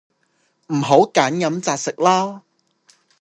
唔好㨂飲擇食啦